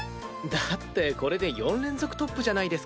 だってこれで４連続トップじゃないですか。